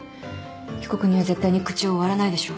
被告人は絶対に口を割らないでしょう。